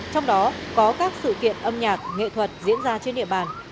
trong đó có các sự kiện âm nhạc nghệ thuật diễn ra trên địa bàn